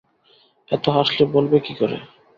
এত হাসলে বলবে কী করে?